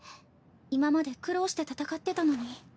今まで苦労して戦ってたのに。